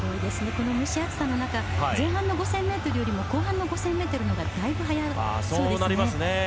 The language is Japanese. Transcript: この蒸し暑さの中前半の５０００ｍよりも後半の５０００ｍのほうがだいぶ速そうですね。